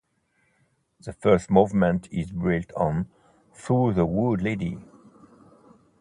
The first movement is built on "Through the Wood Laddie".